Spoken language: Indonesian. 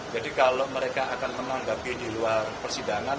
jadi kalau mereka akan menanggapi di luar persidangan